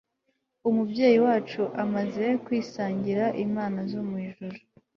umubyeyi wacu amaze kwisangira imana zo mu ijuru